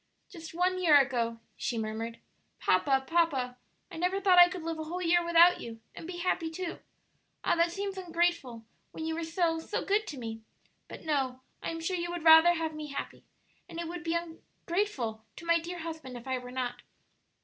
"Just one year ago," she murmured. "Papa, papa! I never thought I could live a whole year without you; and be happy, too! Ah, that seems ungrateful, when you were so, so good to me! But no; I am sure you would rather have me happy; and it would be ungrateful to my dear husband if I were not."